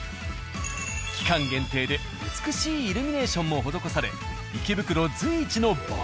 期間限定で美しいイルミネーションも施され池袋随一の映え